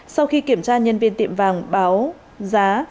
sau khi kiểm tra nhân viên tiệm vàng báo giá